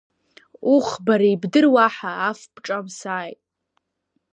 Ух, бара ибдыруа аҳа, аф бҿамсааит!